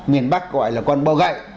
miền bắc gọi là con bậu gậy